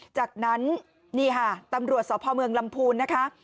จากนั้นนี่ค่ะตำรวจสพเมืองลำพูนนะคะ